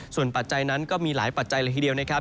ส่วนปัจจัยนั้นก็มีหลายปัจจัยเลยทีเดียวนะครับ